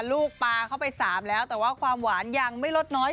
ลูกปลาเข้าไป๓แล้วแต่ว่าความหวานยังไม่ลดน้อย